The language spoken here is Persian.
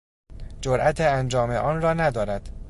جرات انجام آن را ندارد.